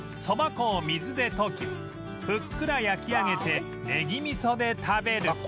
そば粉を水で溶きふっくら焼き上げてネギ味噌で食べる